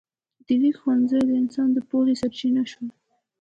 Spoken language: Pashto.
د لیک ښوونځي د انسان د پوهې سرچینه شول.